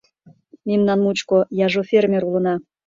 — Мемнан мучко яжо — фермер улына.